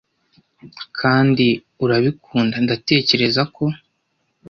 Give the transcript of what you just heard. kandi urabikunda ndatekereza ko